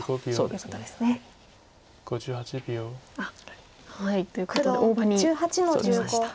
５８秒。ということで大場に打ちました。